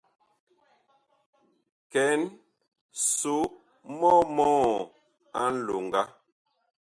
Kɛn so mɔ mɔɔ a nlonga.